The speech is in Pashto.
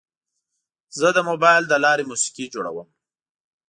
زه د موبایل له لارې موسیقي جوړوم.